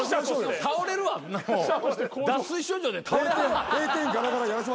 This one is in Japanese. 倒れるわ脱水症状で倒れはる。